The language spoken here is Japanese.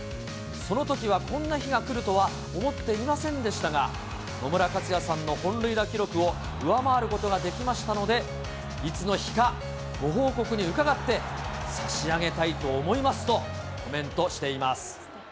そのときはこんな日が来るとは思っていませんでしたが、野村克也さんの本塁打記録を上回ることができましたので、いつの日か、ご報告に伺って、差し上げたいと思いますと、コメントしています。